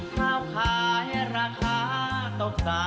ข้าวขายราคาตกสา